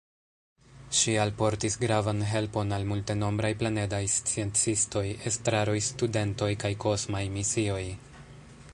Ŝi alportis gravan helpon al multenombraj planedaj sciencistoj, estraroj, studentoj kaj kosmaj misioj.